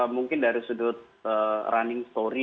mungkin dari sudut running story